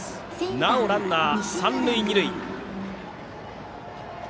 なおランナーは三塁二塁。